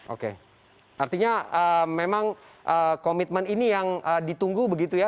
oke artinya memang komitmen ini yang ditunggu begitu ya